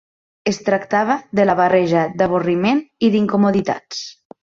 Es tractava de la barreja d'avorriment i d'incomoditats